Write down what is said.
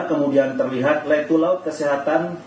kemudian terlihat letu laut kesehatan